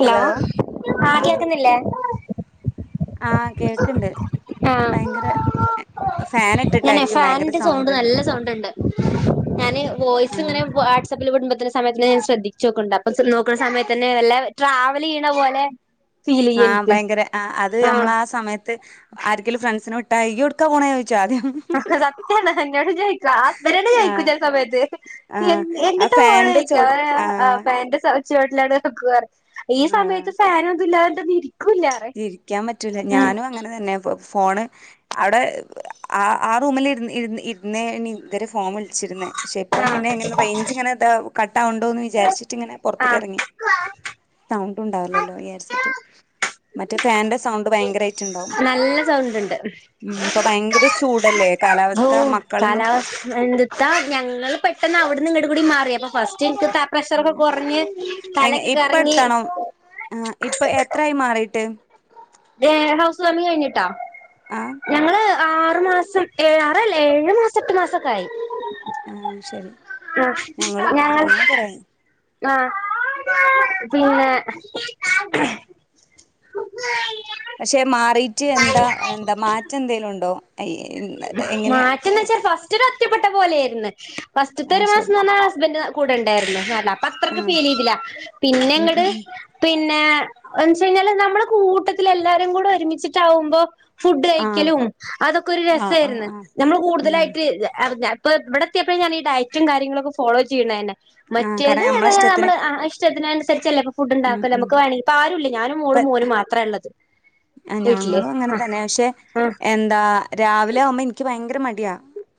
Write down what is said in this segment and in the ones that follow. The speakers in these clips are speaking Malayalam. ഹലോ ആ കേക്കുന്നില്ലേ? ആ, കേൾക്കണ്ട്. ആ. ഫാൻ ഞനെ ഇട്ടിട്ടായിരിക്കും ഭയങ്കര ഫാനിന്റെ സൗണ്ട് ഉണ്ട് നല്ല സൗണ്ട് ഉണ്ട്. ഞാന് വോയിസ് ഇങ്ങനെ ആഹ് വിടുബത്തന്നെ സമയതെന്നെ ശ്രദ്ധിച്ചുോക്കണ്ട്, അപ്പ നോക്കണ സമയത്തന്നെ വല്ല ട്രാവൽ ചെയ്യണ പോലെ ഫീൽ ആ, ചെയ്യ എനിക്ക് ഭയങ്കര അത് നമ്മള ആഹ് ആ, സമയത്ത് ആർക്കേലും ഫ്രിണ്ട്സ് ഫ്രണ്ട്സിന് വിട്ടാൽ ഇയ്യ് എവിടെക്കാ പോണ ചോദിച്ചും ആദ്യം. സത്യണ എന്നോട് ചോദിക്കും. ഹസ്ബൻഡ് ന്നേ ചോദിക്കും ആഹ് ചില സമയത്ത്. ആഹ് ആ എന്നിട്ടാ പോണേ ഫാന്റെ ചോദിക്കും. ചോട്ടില് അവ ആഹ് പാന്റെ ചോട്ടിലെവിടെങ്കിലും നിക്ക് പറയും. ഈ ആഹ് സമയത്ത് ഫാന ഒന്നും ഇല്ലാതെ ഇരിക്കുല. ഇരിക്കാൻ പറ്റൂല ഞാനും അങ്ങനെ തന്നെ. ഫോണ് അവിടെ ആ, റൂമിൽ ഇരുന്ന ഇരെ ഫോൺ വി വിളിച്ചിരുന്നേ, പക്ഷെ ഇപ്പം ആഹ് പിന്നെ എങ്ങനെ റേഞ്ച് ഇങ്ങനെ കട്ടാവാണ്‌ ഉണ്ടോ എന്ന് വിചാരിച്ചിട്ട് ഇങ്ങനെ ആഹ് പുറത്തക്കറങ്ങി, സൗണ്ട് ഉണ്ടാവില്ലല്ലോ വിചാരിച്ചിട്ട്. മറ്റേ ഫാന്റെ സൗണ്ട് ഭയങ്കര നല്ല സൗണ്ട് ഉണ്ട് ഉം ഇപ്പൊ ഭയങ്കര ചൂടല്ലേ ഓ കാലാവസ്ഥ മക്കളൊന്നും കാലാവസ്ഥ എന്ത് ഇത്താ ഞങ്ങള് പെട്ടെന്ന് അവിട്ന്നിങ്ങട് കൂടി മാറിയപ്പൊ ഫസ്റ്റ് എനിക്ക് പ പ്രഷറൊക്കെ കൊറഞ്ഞ് തലൊക്കെ കറങ്ങി ആ ഇപ്പൊ എത്രായി മാറിട്ട് ഏഹ് ഹൗസ് വാമിങ്ങ് കഴിഞ്ഞിട്ടാ ആഹ് ഞങ്ങള് ആറു മാസം ഏ ആറല്ലേ ഏഴു മാസം എട്ട് മാസക്കെ ആയി ആഹ് ശരി ആ ഞങ്ങളും ഞങ്ങൾ ഞങ്ങളും കൊറേയായി ആഹ് പിന്നെ പക്ഷെ മാറിട്ട് എന്താ എന്താ മാറ്റം എന്തേലും ഉണ്ടോ അയ്യേൻ മാറ്റന്ന് വെച്ചാ ഫസ്റ്റൊര് ഒറ്റപ്പെട്ട പോലെെയാര്ന്ന് ഫസ്റ്റത്തെ അത് ഒരു മാസം ശരി ന്ന് പറഞ്ഞാ ഹസ്ബന്റ് കൂടെണ്ടായിരുന്നു കാരണം അപ്പ അത്രക്ക് ആഹ് ഫീല് ചെയ്തില്ല പിന്നെ ഉം അങ്ങട് ഉം ഉം പിന്നെ എന്ന്വെച്ച് കഴിഞ്ഞാല് നമ്മള് കൂട്ടത്തിലെല്ലാരും കൂടെ ഒരുമിച്ചിട്ടാവുമ്പോ ഫുഡ് ആഹ് കഴിക്കലും അതൊക്കെ ഒരു ആഹ് ആഹ് രസായിരുന്നു ആഹ് നമ്മള് ആഹ് കൂടുതലായിട്ട് എറങ്ങാ ഇപ്പൊ ഇവിടെ എത്തിയപ്പോഴ് ഞാന് ഈ ഡയറ്റും കാര്യങ്ങളൊക്കെ ഫോളോ ചെയ്യുണന്നെ ആഹ് മറ്റേത് കാരണം എൽ നമ്മളെ ഇഷ്ടത്തിന് നമ്മള് ച്ചത്തിനനുസരിച്ചല്ലെ ഇപ്പൊ ഫുഡ് ഉം ഉണ്ടാക്കല് ഉം നമുക്ക് വേണെങ്കി ഇപ്പോ ആരുംല്ല ഞാനും മോളും ഇപ്പ മോനും മാത്രെ ഉള്ളത് ആ വീട്ടില് ഞങ്ങളും അങ്ങനെ ആ തന്നെ പക്ഷെ ആ എൻ ന്താ രാവിലെ ആവുമ്പോ എനിക്ക് ഭയങ്കര മടിയാ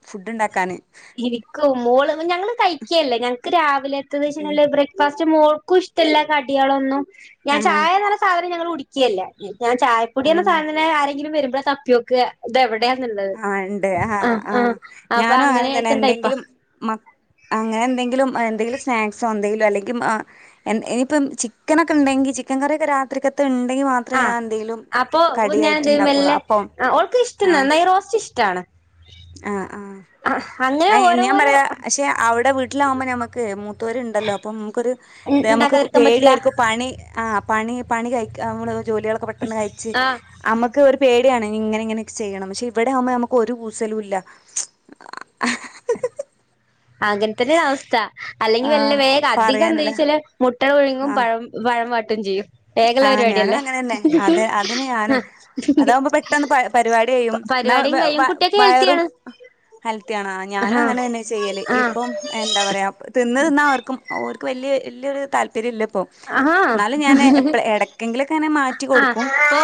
ഫുഡ് ഉണ്ടാക്കാന് ഇരിക്കും മോള് ഞങ്ങള് കഴിക്കയല്ലേ ഞങ്ങക്ക് രാവിലെ ഏദേശങ്ങളിലെ ബ്രേ ഫാസ്റ്റ് മോൾക്കും ഇഷ്ടമല്ല കടികളൊന്നും ഞാൻ ആഹ് ചായേന്നർഞ സാധനം ഞങ്ങള് കുടി ക്കിയല്ല ഞാൻ ചായപ്പൊടി എന്ന ആഹ് സാധനം ആരെങ്കിലും വരുമ്പ തപ്പിയോക്കുക ഇതെവിടെയാന്നുള്ളത് ആഹ് ഉണ്ട് ആഹ് ആ ആ ആഹ് അപ്പൊ ഞാനും അങ്ങനെ തന്നെ എടുത്ത ടൈപ്പാ എന്തെങ്കിലും മ അങ്ങനെ എന്തെങ്കിലും എന്തെങ്കിലും സ്നാക്സോ എന്തെങ്കിലും അല്ലെങ്കിൽ ഇനിയിപ്പം ചി ക്കനൊക്കെ ഉണ്ടെങ്കി ചിക്കൻ കറിയൊക്കെ രാത്രിക്കത്തെ ഉണ്ടെങ്കി മാത്രം ആ അപ്പൊ ഞാൻന്തെയും ഉണ്ടാക്കുള്ളൂ മെല്ലെ അപ്പം ആ ഓൾക്ക് ഇഷ്ടന്ന ആഹ് നെയ്റോസ്റ്റ് ഇഷ്ടാണ് ആഹ് ആഹ് അങ്ങനെ ഞാൻ ഓരോരോ പറയാ പക്ഷെ അവിടെ വീട്ടിലാകുമ്പോ ഞമ്മുക്ക് മൂത്തോര് ഇണ്ടല്ലോ അപ്പൊ നമുക്കൊരു അതെ നമുക്ക് ഉണ്ടാക്കാതിരിക്കാൻ പറ്റില്ല പേടിയായിരിക്കും പണി ആ പണി പണി കഴ്ക്ക നമ്മള് ജോലികളൊക്കെ പെട്ടെന്ന് കയ്ച്ച് ആഹ് അമ്മക്ക് ഒരു പേടിയാണ് ഇങ്ങനെങ്ങനെയൊക്കെ ചെയ്യണംന്ന് പക്ഷെ ഇവിടെവുമ്പോ അമക്ക് ഒരു കൂ സലും ഇല്ല അങ്ങനെ തന്നെ അവസ്ഥ അല്ലെങ്കിൽ വല്ല ആഹ് വേഗം അധികം എന്താ പറയാനുല്ല വെച്ചാല് മുട്ടപുഴുങ്ങും ആഹ് പഴം പഴം വാട്ടും ചെയ്യും വേഗള്ള ആഹ് ഞാനും പരിപാടിയല്ലേ അങ്ങനെന്നെ അത് അതന്നെ ഞാനും ആ അതാവുമ്പോ പെട്ടെന്ന് പ പരിപാടി കയ്യും എന്നാ പരിപാടിയും വ് കഴിയും വ കുട്ടിയൊക്കെ വയറും ഹെൽത്തിയാണ് ഹെൽത്തി ആണ ഞാനും ആഹ് അങ്ങനെ തന്നെ ചെയ്യല് ഇപ്പം എന്താ പറയാ തിന്ന് തിന്നവർക്കും അവർക്ക് വല്യ വല്യോരു താല്പര്യം ഇല്ല ഇപ്പം ആഹാ എടയ്ക്കെങ്കിലൊക്കെ അങ്ങനെ മാറ്റി കൊടുക്കും അപ്പൊ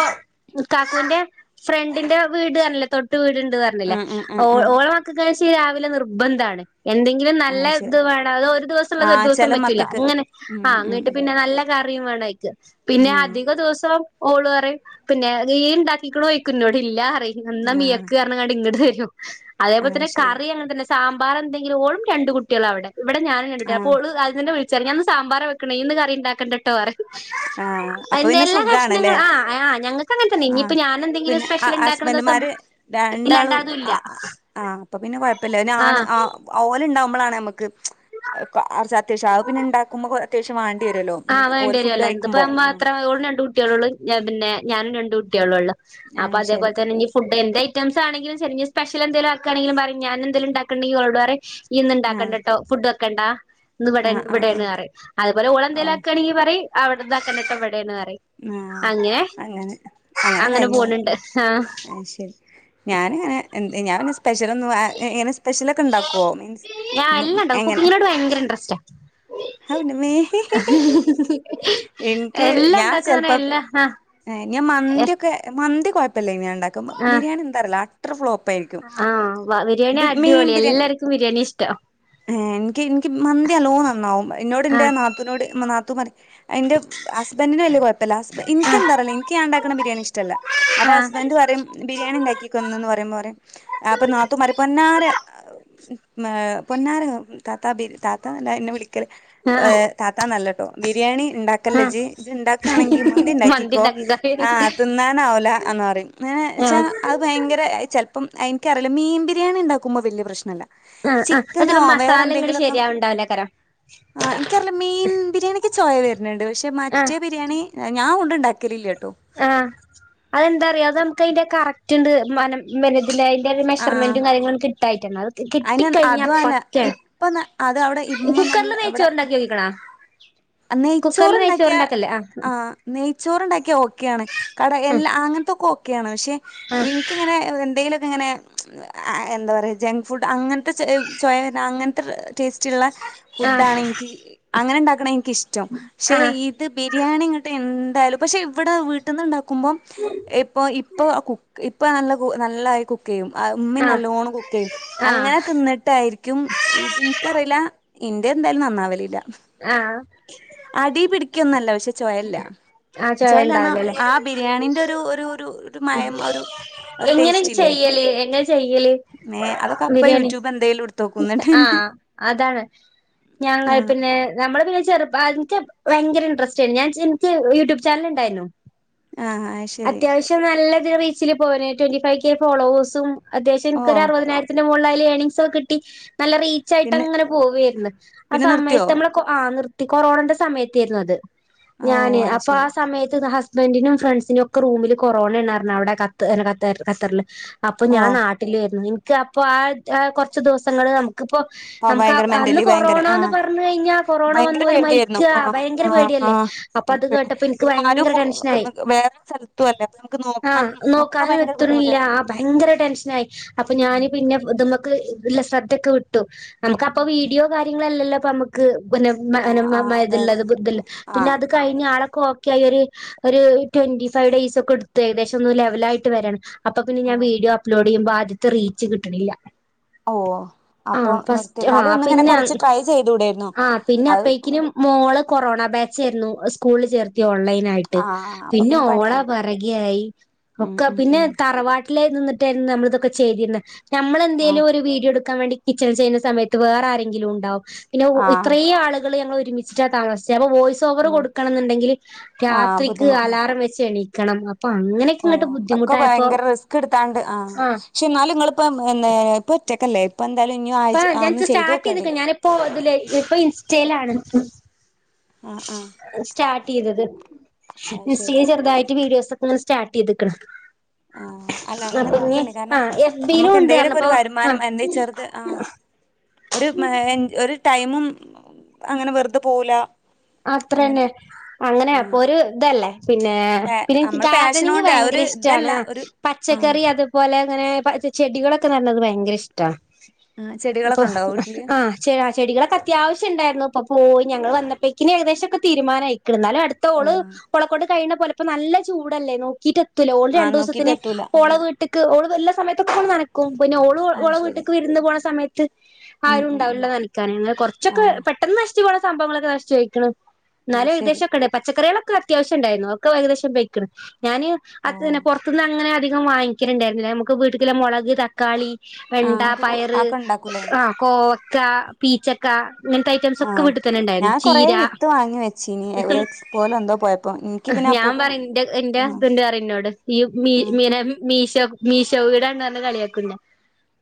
കാക്കുവിന്റെ ഫ്രണ്ടിന്റെ വീട് തന്നല്ലേ തൊട്ട് വീടുണ്ട് പറ ഞ്ഞില്ലേ ഉം ഉം ഓ ഉം ഉം ഓളെ മക്കക്ക് അത് ശീല രാവിലെ നിർബന്ധാണ് എന്തെ ഇത് നല്ല ആഹ് ശരി ഇത് വേണം അത് ഒരു ദിവസം ഉള്ളത് ഒരു ആഹ് ദിവസം ചെല പറ്റൂല്ല മക്കക്ക് അങ്ങനെ ഉം ആ ഉം അങ്ങട്ട് നല്ല കറിയും വേണയ്ക്ക് പിന്നെ ഉം ആഹ് അധിക ദിവസം ഓള് അറിം പിന്നെ ഈയ്യ് ഇണ്ടാക്കീക്ക്ണോയ്ക്കുന്നോട് ഇല്ല അറി എന്ന ആഹ് [unintelligible] [unintelligible] ഇങ്ങട്ട് തരും അതേപോലെ ആഹ് തന്നെ ശരി കറി അങ്ങൻ തന്നെ സാമ്പാറ് എന്തെങ്കിലും ഓളും രണ്ട് കുട്ടിയാളു അവടെ ഇവടെ ഞാനും രണ്ടുട്ടിയാളും അപ്പോ ആഹ് ഓള് രാവിൽ തന്നെ വി ശരി ഞാ ഇന്ന് സാമ്പാറാ വെക്ക്ണ ഇയ്യ് ഇന്ന് കറി ഉണ്ടാക്കണ്ട ട്ടോ അറിം ഉ ആഹ് അപ്പൊ പിന്നെ സുഖാണ്ല്ലേ ആ ആ ഞങ്ങൾക്ക് അങ്ങനെ തന്നെ ആ ഇനിയിപ്പോ ഞാൻ എന്തെങ്കിലും പിന്നെ സ്പെഷ്യൽ ഇണ്ടാക്കണ ദിവസം ഹസ്ബൻഡുമാര് ഇല്ലാണ്ട് രണ്ടാളും അതും ആ ഇല്ല ആഹ് അപ്പൊ പിന്നെ കൊഴ്പ്പല്ല ആണ് ആഹ് ആ ഓല് ഉണ്ടാവുമ്പളാണ് നമുക്ക് [unintelligible] അത്യാവശ്യം അ പിന്നെ ഇണ്ടാക്കുമ്പോ അത്യാശ്യം വാണ്ടി വരുല്ലോ മീൻസ് ഓല് ഫുഡ് ഇപ്പ അമ്മ ആഹ് മാത്ര ഓളും രണ്ട് കുട്ടിയാളുള്ളൂ പിന്നെ ഞാനും രണ്ട് കുട്ടിയാളേ ഉള്ളു അപ്പൊ ആഹ് ശരി അതേപോലെ തന്നെ ഇനി ഫുഡ്ൻ്റെ ഐറ്റംസ് ആണങ്കിലും ശെരി ഇനി സ്പെഷൽ എന്തേലും ആക്കാണെങ്കിലും പറിം ഞാൻ ഇതില് ഇണ്ടാക്ക്ണേ [unintelligible] ഇയ്യ് ഇന്ന് ആഹ് ഇണ്ടാക്കണ്ട ട്ടോ ഫുഡ് വെക്കണ്ടാ ഇന്ന് ഇവടെ ആഹ് ആഹ് ഇവടേണ് ആഹ് പറയും അതുപോലെ ഓളെന്തേലു ഓഹ് ആക്കാണെങ്കി പറയും അവിടണ്ടാക്കണ്ട ട്ടോ ഇവടേണ് പറയും ആഹ് അങ്ങനെ അങ്ങനെ അങ്ങനെ കഴിഞ്ഞു പോണുണ്ട് പോവും ആഹ് അത് ശരി ഞാനിങ്ങനെ എന്ത് ഞാൻന്നെ സ്പെഷ്യൽ ഒന്നും [unintelligible] ഇങ്ങനെ സ്പെഷ്യലൊക്കെ ഇണ്ടാക്കോ മീൻസ് ഞാൻ എല്ലാം ഉണ്ടാക്കും എങ്ങനെ കുക്കിങ്ങിനോട് ഭയങ്കര ഇൻട്രസ്റ്റാ അൗ ൻ്റെ മ്മേ ഇൻക്ക് ഞാൻ ചെലപ്പം കാനല്ല ഹാ ഏഹ് ഞാൻ മന്തി ഒക്കെ മന്തി കൊഴ്പ്പല്ലേ ഞാ ഇണ്ടാക്കും ആഹ് ബിരിയാണി എന്താറില്ല [unintelligible] ഫ്ളോപ്പായിരിക്കും ആഹ് ബിരിയാണി ഇത് മീൻ അടിപൊളി ബിയാണി എല്ലാർക്കും ബിരിയാണി ഇഷ്ടം ഏഹ് ഇൻക്ക് ഇൻക്ക് മന്തി അല്ലോ നന്നാവും എന്നോട്ന്റെ ആഹ് നാ ത്തൂനോട് നാത്തു പറയും അയ്ന്റെ ഹസ്ബന്ഡിന് വല്ല്യ കൊഴ് [unintelligible] ഇൻക്ക് ആഹ് എന്താറില്ല ഇൻക്ക് ഞാണ്ടാക്ക്ണ ബിരിയാണി ഇഷ്ടല്ല അപ്പൊ ആഹ് ഹസ്ബൻഡ് പറയും ബിരിയാണി ഇണ്ടാക്കിക്കോന്നന്ന് പറയുമ്പൊ പറിം അപ്പൊ നാത്തുമാര് പൊന്നാര ഏഹ് പൊന്നാര താത്താ ബിരി താത്ത ന്നല്ല എന്നെ വിളി ക്കൽ താത്താ നല്ലട്ടോ ബിരിയാണി ഇണ്ടാക്കല്ലേ ഇജ് ഇജ്ണ്ട ക്കാണെങ്കി മന്തി ഇണ്ടാക്കിക്കോ ആ തിന്നാനാവൂല ന്ന് പറയും ഏഹ് ആഹ് വെച്ചാ ആഹ് ഭയങ്കര ചെൽപ്പം എൻക്കറില്ല മീൻ ബിരിയാണി ഇണ്ടാക്കുമ്പ വലിയ പ്രശ്നല്ല ആഹ് അത് ചിക്കനോ ചില വേറെ മസാല ഇങ്ങട് എന്തെങ്കിലു ഒക്കെ ശരിയാവണ്ടാവില്ലേക്കാരം ആ ഇൻക്കറില്ല മീൻ ബിരിയാണിക്ക് ചൊയ വര്ന്ണ്ട് പക്ഷെ ആഹ് മറ്റേ ബിരിയാണി ഞാൻ [unintelligible] ഇണ്ടാക്കല് ല്ല ട്ടോ ആഹ് അതെന്താറിയോ അത് അൻക്ക് അയ്ന്റെ കറക്റ്റ് ഇണ്ട് മനം [unintelligible] ഒരു ആഹ് മെഷർമെന്റും കാര്യങ്ങളും കിട്ടായിട്ടാണ് അത് അയിന് കിട്ടിക്കഴിഞ്ഞാ അതും അല്ല പക്കയാണ് ഇപ്പൊ ന അത അവടെ ഇമ്മ നല്ല ഇവടെ കേക്കണാ നെയ്ച്ചോറ് ഇണ്ടാക്കിയ ആഹ് നെയ്ച്ചോറ് ഇണ്ടാക്കിയ ഓക്കെയാണ് കട എല്ലാ അങ്ങൻത്തൊക്കെ ഓക്കെയാണ് പക്ഷെ ആഹ് ഇൻക്ക് ഇങ്ങനെ എന്തെങ്കിലൊക്കെ ഇങ്ങനെ എന്താ പറയ ജങ്ക് ഫുഡ് അങ്ങൻത്തെ ചൊയ വര്ന അങ്ങൻത്തെ ടേസ്റ്റ് ഉള്ള ഫുഡ് ആഹ് ആണ് എൻക്ക് അങ്ങനെ ഇണ്ടാക്ക്ണ എനിക്കിഷ്ടം പക്ഷെ ആഹ് ഈ ഇത് ബിരിയാണി ഇങ്ങട്ട് എന്തായാലും പക്ഷേ ഇവിടെ വീട്ടിന്ന്ണ്ടാക്കുമ്പൊം ഉം ഇപ്പോ ഇപ്പോ കുക്ക് ഇപ്പൾ നല്ല നല്ല കുക്ക് യ്യും ഉമ്മിം ആഹ് നല്ലോണം കുക്ക് ചെയ്യും ആഹ് അങ്ങനെ ആഹ് തിന്നിട്ടായിരി ക്കും ഇൻക്കറിയില്ല ഇന്റെ എന്തായാലും നന്നാവല് ല്ല ആഹ് അടി പിടിക്കൊന്നല്ല പക്ഷെ ചോയല്ല ആ ചൊയ ച്ചോയല്ല എന്ന ഉണ്ടാവില്ലല്ലേ ആ ബിരിയാണീന്റെ ഒരു ഒരു ഒരു മയം ഒരു ഒരു എങ്ങനെ ടേസ്റ്റ് ഇല്ലേ ചെയ്യല് എങ്ങനെ ചെയ്യല് ഏ അതൊക്കെ അപ്പ ബിരിയാണി യൂട്യൂബ് എന്തേലും എടുത്ത് നോക്കും എന്നിട്ട് പിന്നെ ആഹ് അതാണ് ഞങ്ങൾ ആഹ് പിന്നെ നമ്മള് പിന്നെ ചെറ അനിക്ക് ഭയങ്കര ഇൻറസ്റ്റ് ആയിരുന്നു ഞാൻ എനിക്ക് യൂട്യൂബ് ചാനൽ ഉണ്ടായിരുന്നു ആഹ് ആഹ് അയ് ശെരി പക്ഷെ നല്ല റീച്ചിൽ പോനെ ട്വന്റി ഫൈവ് കെ ഫോളവോഴ്സും അത്യവിശം ഓ എനിക്ക് ഒരു അറുപതിനായിരം ക്കിന് മുകളില് ഏണിഗംസ് ഒക്കെ കിട്ടി നല്ല റീച്ച് ആയിട്ട് പിന്നെ അങ്ങനെ പോവിയായിരുന്നു ആ പിന്നെ നിർത്തിയോ സമയത്ത് ആ നിർത്തി കോറണയുടെ സമയത്ത് ആയിരുന്നു അത് ഓ ഞാന് അത് അപ്പൊ ആ ശരി സമയത്ത് ഹസ് ബന്റിനും ഫ്രണ്ട്സിനും ഒക്കെ റൂമിൽ കൊറോണ ഉണ്ടായിരുന്നു അവിടെ ക കത്തറിൽ അപ്പൊ ഓ ഞാൻ നാട്ടി ട്ടില് വരുന്നു എനിക്ക് അപ്പ ആ കുറച്ച് ദിവസങ്ങള് ഇപ്പോ ഓ നമുക്ക് ഭയങ്കര അന്ന് മെന്റലി ഭയങ്കര കൊറോണ എന്ന് ആഹ് പറ വന്ന് കഴിഞ്ഞ കൊറോണ ഭയങ്കര വന്നവര് പേടിയായിരുന്നു മരിക്കുക ആഹ് ഭയങ്കര ആഹ് പേടിയല്ലേ ആഹ് അപ്പൊ അത് കേട്ടപ്പോ എനിക്ക് ഭയങ്കര ടെൻഷനായി വേറൊരു സ്ഥലത്തും അല്ലേ അപ്പൊ നമുക്ക് നോക്കാനും ഒക്കെ ഭയങ്കര ബുദ്ധിമുട്ട ആ ഭയങ്കര ടെൻഷന ആയി അപ്പൊ ഞാന് പിന്നെ ഇത് മക്കല്ല ശ്രദ്ധൊക്കെ വിട്ടു നമുക്ക് അപ്പ വീഡിയോ കാര്യങ്ങളല്ലല്ലോ നമു ക്ക്പിന്നെ ആഹ് അതെ അതെ മതുള്ളത് ബുദ്ധ പിന്നെ ആഹ് അത് കഴിഞ്ഞ് ആളെക്കെ കെയറി ഒരു ട്വന്റി ഫൈവ് ഡെയയ്സ് ഒക്കെ എടുത്ത് ഏകദേശം ഒന്ന് ലെവല് ആയിട്ട് വരാൻ അപ്പൊ പിന്നെ ഞാൻ ഓ വീഡിയോ അപ്ലോഡ് ചെയ്യുമ്പോൾ ആദ്യത്തെ റീച്ച് കിട്ടണില്ല ഓ അപ്പൊ ആഹ് നിർത്തി ഫസ്റ്റ് എന്നാലും ആഹ് ഒന്ന് ഇങ്ങനെ പിന്നെ കുറച്ച് ട്രൈ ചെയ്തൂടെ ആഹ് പിന്നെ അപ്പഴേക്കിനും മോള് കൊറോണ ബാച്ചായിരുന്നു സ്കൂളിൽ ചേർത്തി ഓൺലൈൻ ആയി ട്ട് ആഹ് അപ്പൊ പിന്നെ ഓള പണിയായി പിറകെ ആയി ഉം ഉം പിന്നെ ഉം തറവാട ടിലനിന്നിട്ടായിരുന്നു നമ്മളിതൊക്കെ ചെയ്തിരുന്നത് ആഹ് നമ്മളെന്തെങ്കിലും ഒരു വീഡിയോ എടുക്കാൻ വേണ്ടി കിച്ചണിൽ ചെയ്യുന്ന സമയത്ത് വേറെ ആരെങ്കിലും ഉണ്ടാവും പിന്നെ ആഹ് ഇത്രയും ആളുകൾ ഞങ്ങൾ ഒരുമിച്ച് താമസിച്ചത് അപ്പൊ വോയിസ് ഓവറ് ആഹ് കൊടുക്കണം എന്നുണ്ടെങ്കിൽ ആഹ് രാത്രിക്ക് ബുദ്ധിമുട്ടാണ് അലാറം വെച്ച് എണി ക്കണം അപ്പൊ അങ്ങനെ ഓ ഒക്കെ ഭയങ്കര റിസ്ക് എടുത്താണ്ട് ആ ആഹ് പക്ഷെ എന്നാലും നിങ്ങളിപ്പ എന്ത ഒറ്റക്കല്ലേ ഇപ്പ എന്തായാലും ആ ഒന്ന് ചെയ്ത് നോക്കേണ്ടേ ഇപ്പൊ അതിലേ ഇപ്പൊ ഇൻസ്റ്റയിലാണ് ആഹ് ആഹ് സ്റ്റാർട്ട് ചെയ്തത് അത് ശരി ഇൻസ്റ്റൽ ചെറുതായിട്ട് വീഡിയോസ് ഒക്കെ സ്റ്റാർട്ട് ചെയ്ത്ക്കണ് ആ അല്ല അങ്ങനെ നോക്കണ് ആ കാരണം എഫ് ബിയിലും നമ്മുക്ക് ഉണ്ട് എന്തെങ്കിലുമക്കൊ ഒരു പറഞ്ഞപ്പോ ആ വരുമാനം എന്ത ചെറുത് ആഹ് ഒരു ഒരു ടൈമും അങ്ങനെ വെറുത പോവുല അത്രന്നെ അങ്ങനെ അപ്പൊ ഒരു ആഹ് ഇതല്ലേ പിന്നെ പേ പിന്നെ എനിക്ക് നമ്മള് ഗാർഡനിങ് പാഷനോണ്ട് ആ ഒരു ഭയങ്കര ഇതല്ല ഇഷ്ടമാണ് ഒരു ആഹ് പച്ചക്കറി അത് പോലെ അങ്ങനെ ചെടികളൊക്കെ നടുന്നത് ഭയങ്കര ഇഷ്ടമാണ് ആഹ് അപ്പൊ ചെടികളൊക്കെ ഉണ്ടോ വീട്ടില് ആ ചെടികളക്കൊ അത്യാവശ്യം ഉണ്ടായിരുന്നു ഇപ്പ പോയി ഞങ്ങൾ വന്നപ്പോക്കിന് ഏകദേശൊക്കെ തീരുമാനംമായി എന്നാലും അടുത്ത ഓള് ആഹ് ഓളക്കൊണ്ട് കഴിയുന്ന പോലെപ്പോ നല്ല ചൂടല്ലേ നോക്കിട്ട് ഓള് ആഹ് രണ്ടു നോക്കീട്ട് ദിവസത്തിന് എത്തൂല ഓള ആഹ് വീ ട്ട്ക്ക് ഓള് വല്ല സമയത്തൊക്കെ നനക്കും പിന്നെ ഓള് അത് ഓളുടെ ശരി വീട്ടേക്ക് വിരുന്ന് പോകണ സമയത്ത് ഉം ആരും ഉം ഉം ഉണ്ടാവൂല്ലല്ലോ നനക്കാൻ അങ്ങനെ കുറച്ചൊക്കെ ആഹ് പെട്ടെന്ന് നശിച്ച് പോന്ന സംഭവങ്ങളൊക്കെ നശിച്ച് പോയി ക്കണു അത് എന്നാല് ശരി ഏകദേശം ഒക്കെ ഉണ്ട് പച്ചക്കറികളൊക്കെ അത്യാവശ്യ ഉണ്ടായിരുന്നു ഒക്കെ ഏകദേശം പോയി ക്കണു ഞാന് അ ഓഹ് പൊറത്ത്ന്ന് അങ്ങനെ അധികം വാങ്ങിക്കണ്ടായിരുന്നില്ല നമുക്ക് വീട്ക്ക്ള്ള മൊളക് തക തക്കാളി വെണ്ട ആഹ് ഒക്കെ പയറ് ആക്കെ ഉണ്ടാക്കൂലേ ആഹ് കോവക്ക, പീച്ചക്ക ഇങ്ങനത്തെ ഐറ്റംസൊക്കെ ആഹ് വീട്ട്തന്നെ ഉണ്ടായിരുന്നു. ഞാൻ കൊറേ ചീര വിത്ത് വാങ്ങി വെച്ചീനി ഒരു എക്സ്പോലോ എന്തോ പോയപ്പോ എനിക്ക് പിന്നെ ഞാൻ അപ്പോക്കും പറയും ന്റെ എന്റെ ആഹ് ഹസ്ബന്റ് പറയും എന്നോട് ഈ മീ ആഹ് മീര മീഷൊ മീഷോ വീടാണറഞ് കളിയാക്കും എന്നെ.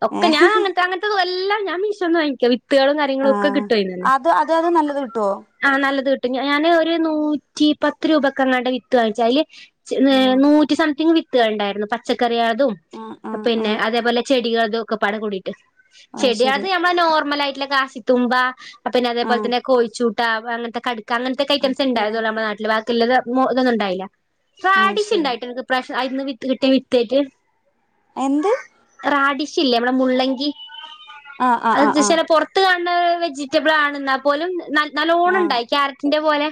ഒക്കെ ഞാൻ ഏഹ് അങ്ങനത്തെ അങ്ങ തെല്ലാം ഞാൻ മീഷൊന്ന വാങ്ങിക്ക. വിത്തുകളും കാര്യങ്ങളൊക്കെ ആഹ് കിട്ടൊയ്ന്നെ. അത് അത് നല്ലത് കിട്ടോ? ആഹ് നല്ലത് കിട്ടും. ഞാന് ഒരു നൂറ്റിപ്പത്ത് രൂപക്കങ്ങാണ്ടാ വിത്ത് വാങ്ങിച്ചെ. അയില് ച്ച് ഓഹ് നൂറ്റി സംതിങ് വിത്തുകുണ്ടായിരുന്നു പച്ചക്കറിയാളതും. ആഹ് ആഹ് പിന്നെ ആഹ് അതേപോലെ ചെടികൾതൊക്കെ പാടെ കൂടിട്ട്. അത് ശരി ചെടികളത് നമ്മളെ നോർമലായിട്ടുള്ള കാശിത്തുമ്പ പിന്നെ ആഹ് അതേപോലെത്തന്നെ കോഴിച്ചൂട്ട അങ്ങനത്തെ കടുക്ക‌ അങ്ങനത്തക്കേ അതൊക്കെ ഏതാ ഐറ്റംസ്ണ്ടായിതൊള്ളൂ നമ്മുടെ നാ ല്ല ബാക്കില്ലത് മൊ ഇതൊന്നുണ്ടായില്ല. അത് ശരി റാഡിഷ്ണ്ടായിട്ട്ണ്ട് ഇപ്രാവശ്യം അയ്ന്ന് വിത്ത് കിട്ടിയ വിത്തേറ്റ് എന്ത്? റാഡിഷില്ലേ നമ്മടെ മുള്ളങ്കി. ആഹ് ആഹ് ആഹ് അതെന്തേയ്ച്ചാല് ആഹ് പൊർ ത്ത് കാണ്ന്ന വെജിറ്റബിളാണ് എന്നാ പോലും ആഹ് നല്ലോണണ്ടായി ക്യാരറ്റിന്റെ പോലെ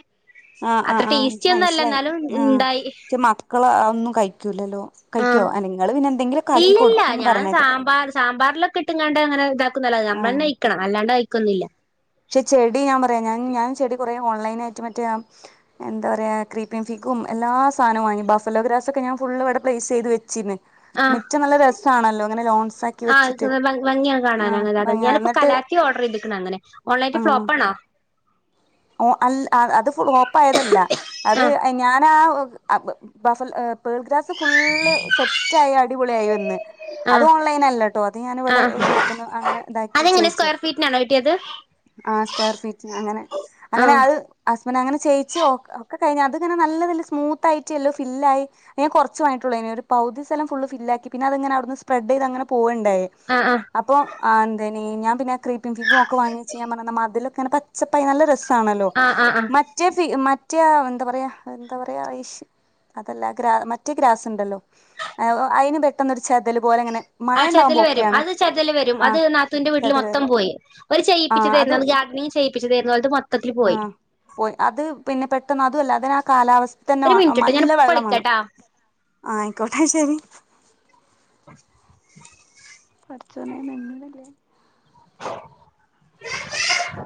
ആഹ് അത്ര ആഹ് ആഹ് ഇക്ക് ടേസ്റ്റി ഒന്നും അല്ല മനസ്സിലായി. എന്നാലും ആഹ് ഇണ്ടായി പക്ഷെ മക്കള് അതൊന്നും കഴിക്കൂല്ലല്ലോ. കഴിക്കോ ആഹ് നിങ്ങള് പിന്നെ എന്തെങ്കിലൊക്കെ ആക്കി ഇല്ലല്ല കൊടുക്കുംന്ന് ഞാൻ പറയ്ണേക്ക. സാമ്പാർ സാമ്പാറിലൊക്കെ ഇട്ടങ്ങാണ്ട് അങ്ങനെ ഇതാക്കുന്നല്ലാതെ ആഹ് നമ്മളന്നെ കഴിക്കണം. അല്ലാണ്ട് കഴിക്കൊന്നുല്ല. പക്ഷെ ചെടി ഞാൻ പറയാ ഞൻ ഞാൻ ചെടി കുറേ ഓൺലൈനായിട്ട് മറ്റേ ആ എന്താ പറയാ ക്രീപ്പീ ഫീക്കും എല്ലാ സാധനോം വാങ്ങി ബഫലോ ഗ്രാസൊക്കെ ഞാൻ ഫുള്ളിവിടെ പ്ലേസ് ചെയ്ത് വച്ചീര്ന്ന്. ആഹ് മിറ്റം നല്ല രസാണല്ലോ ഇങ്ങനെ ലോൺസാക്കി വെച്ചിട്ട്. ആഹ് ആഹ് ഭയ എന്ന്ട്ട് ത്തി ഓർഡറെയ്ത്ക്ക്ണ് അങ്ങനെ ഓൺലൈൻ ഐറ്റം ഫ്ളോപ്പാണോ. ഓഹ് അൽ അത് ഫ്ലോപ്പായതല്ല. അത് ആഹ് ഞാനാ ബഫൽ പേൾ ഗ്രാസ് ഫുള്ള് സെറ്റായി അടിപൊളിയായി വന്ന് അത് ആഹ് ഓൺലൈനല്ലട്ടോ അത് ഞാൻ ഇവിടെ ആഹ് ഷോപ്പന്ന് അങ്ങനെ ഇതാക്കി അതെങ്ങനെ ചെയ്യിച്ചേ. സ്ക്വയർ ഫീറ്റിനാണോ കിട്ടിയത് ആഹ് സ്ക്വയർ ഫീറ്റ്ന് അങ്ങനെ. അങ്ങനെ ആഹ് അത് ഹസ്ബൻറ് അങ്ങനെ ചെയ്യിച്ച് ഒക്കെ കഴിഞ്ഞ് അത്ങ്ങനെ നല്ലതില് സ്മൂത്തായിട്ട് എല്ലാം ഫില്ലായി ഞാൻ കൊറച്ച് വാങ്ങിട്ടൊള്ളയിന് ഒരു പകുതി സ്ഥലം ഫുള്ള് ഫില്ലാക്കി. പിന്നെ അതങ്ങനെ അവിടുന്ന് സ്പ്രെ്ടെയ്തങ്ങനെ പോവെണ്ടായേ. ആഹ് ആഹ് അപ്പൊ ആഹ് എന്തേയ്നീ ഞാൻ പിന്നെ കീപ്പിൻ ഫിഗും ഒക്കെ വാങ്ങി വെച്ചീനി ഞാപറഞ് മതിലൊക്കെ ഇങ്ങനെ പച്ചപ്പായി നല്ല രസം ത്താണല്ലോ. ആഹ് ആഹ് ആഹ് മറ്റേ ഫി മറ്റേ എന്താ പറയാ എന്താ പറയാ അയ് ശ് അതല്ല ഗ്രാ മറ്റേ ഗ്രാസ്ണ്ടല്ലോ അതിന് വെക്കുന്ന ഒരു ചെതല് പോലിങ്ങനെ ആഹ് ചെതല് വെരും. അത് ചെതല് വെരും. അത് നാത്തുന്റെ വീട്ടില് ചെതല് മൊത്തം വരും പോയി. ഓര് ആ ചെയ്യിപ്പിച്ചതേരുന്നു. അന്ന് അത് ഗാർഡണിങ് ചെയ്യിപ്പിച്ചതേരുന്നു. ഓലത് മൊ ആഹ് പോയി. അത് പിന്നെ പെട്ടെന്ന് അതുല്ല അതിനാ കാലാവസ്ഥന്നെ ഒരു മിനിറ്റ്ട്ടോ നല്ല ഞാൻ ഇപ്പ വെള്ളം വേണം. വിളിക്കാട്ടോ ആയിക്കോട്ടെ, ശെരി. [unintelligible] പടച്ചോനെ നിങ്ങളല്ലേ [unintelligible]